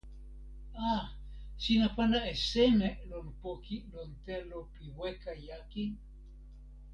a, sina pana e seme lon poki lon telo pi weka jaki?